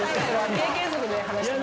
経験則で話してます？